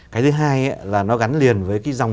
cái thứ hai là nó gắn liền với cái dòng